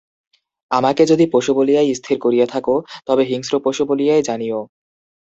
আমাকে যদি পশু বলিয়াই স্থির করিয়া থাক, তবে হিংস্র পশু বলিয়াই জানিয়ো।